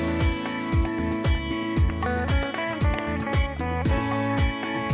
สวัสดีที่ฝากและเพิ่มมือ